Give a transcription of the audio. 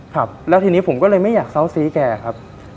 ครับแล้วทีนี้ผมก็เลยไม่อยากเศร้าซี้แกครับ